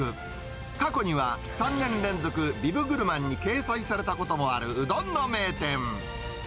過去には、３年連続ビブグルマンに掲載されたこともあるうどんの名店。